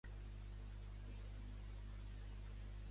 Els personatges actuals inclouen els d'AiAi, MeeMee, Baby i GonGon.